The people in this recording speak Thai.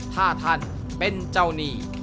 ถ้าท่านเป็นเจ้าหนี้